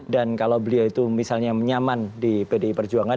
dan kalau beliau itu misalnya menyaman di pdip perjuangan